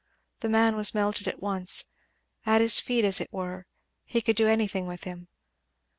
The man was melted at once at his feet, as it were; he could do anything with him.